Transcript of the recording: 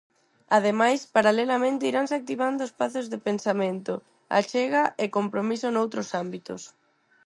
Ademais, paralelamente iranse activando espazos de pensamento, achega e compromiso noutros ámbitos.